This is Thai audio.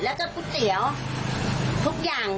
แล้วก็ก๋วยเตี๋ยวทุกอย่าง